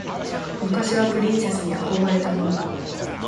昔はプリンセスに憧れたものだ。